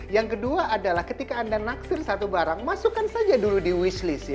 yang kedua adalah ketika anda naksir satu barang masukkan saja dulu di wishlis